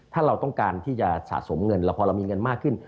ถ้าเราต้องการที่จะสะสมเงินแล้วพอเรามีเงินมากขึ้น